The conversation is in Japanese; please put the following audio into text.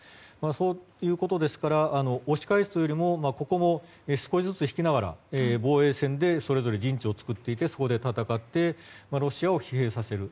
そういうことですから押し返すというよりもここを少しずつ引きながら防衛線でそれぞれ陣地を作っていってそこで戦ってロシアを疲弊させる。